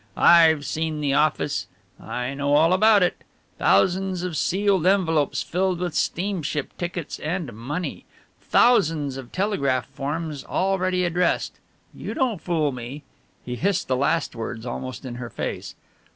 I've seen the office, I know all about it. Thousands of sealed envelopes filled with steamship tickets and money. Thousands of telegraph forms already addressed. You don't fool me!" He hissed the last words almost in her face.